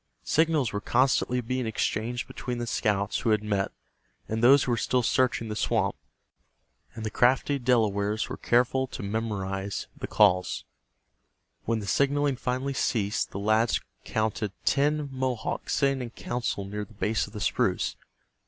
Signals were constantly being exchanged between the scouts who had met, and those who were still searching the swamp, and the crafty Delawares were careful to memorize the calls. When the signaling finally ceased the lads courted ten Mohawks sitting in council near the base of the spruce.